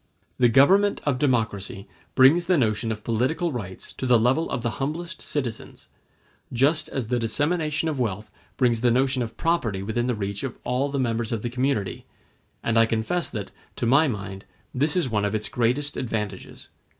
]] The government of democracy brings the notion of political rights to the level of the humblest citizens, just as the dissemination of wealth brings the notion of property within the reach of all the members of the community; and I confess that, to my mind, this is one of its greatest advantages.